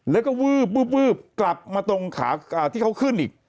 แล้วก็วืบกลับมาตรงขาที่เขาขึ้นอีก